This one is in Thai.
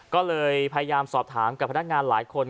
ก็เลยพยายามสอบถามกับพนักงานหลายคน